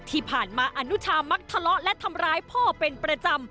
ที่ผ่านมาอนุชามักทะเลาะและทำร้ายพ่อเป็นประจำ